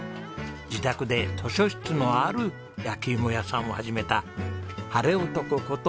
自宅で図書室のある焼き芋屋さんを始めたハレオトコこと